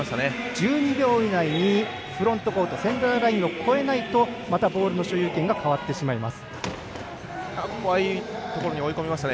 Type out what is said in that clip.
１２秒以内にフロントコートセンターラインを越えないとボールの所有権が変わってしまいます。